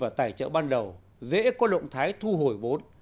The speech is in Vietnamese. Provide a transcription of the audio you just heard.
và tài trợ ban đầu dễ có động thái thu hồi vốn